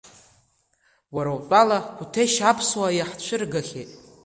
Уара утәала, Қәҭешь аԥсуаа иаҳцәыргахьеит.